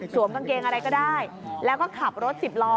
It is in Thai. กางเกงอะไรก็ได้แล้วก็ขับรถสิบล้อ